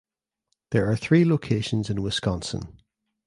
There are three locations in Wisconsin.